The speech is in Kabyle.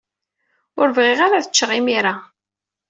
Ur bɣiɣ ara ad ččeɣ imir-a.